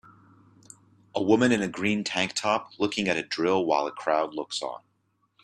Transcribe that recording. A woman in a green tank top looking at a drill while a crowd looks on.